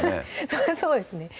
そらそうですね